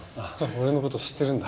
俺の事知ってるんだ。